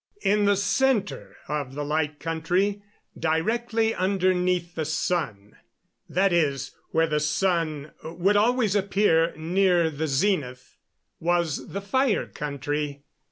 In the center of the Light Country, directly underneath the sun that is, where the sun, would always appear near the zenith was the Fire Country.